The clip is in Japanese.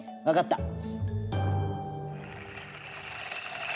分かった！